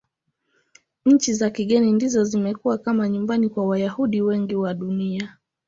Nchi za kigeni ndizo zimekuwa kama nyumbani kwa Wayahudi wengi wa Dunia.